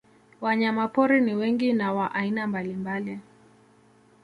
Wanyamapori ni wengi na wa aina mbalimbali